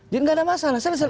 jadi nggak ada masalah